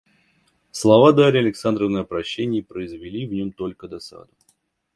Слова Дарьи Александровны о прощении произвели в нем только досаду.